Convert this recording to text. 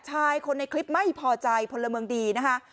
ชายคนในคลิปไม่พอใจพลเมืองดีนะคะ